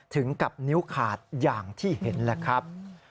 ถึงกับนิ้วขาดอย่างที่เห็นแหละครับ